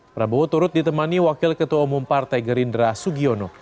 prabowo turut ditemani wakil ketua umum partai gerindra sugiono